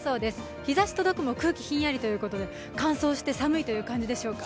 日ざし届くも空気ヒンヤリということで乾燥して寒いという感じでしょうか？